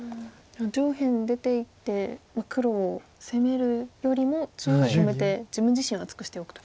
上辺出ていって黒を攻めるよりも中央止めて自分自身を厚くしておくと。